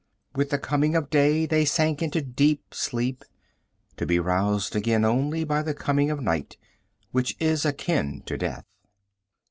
With the coming of day they sank into deep sleep, to be roused again only by the coming of night, which is akin to death.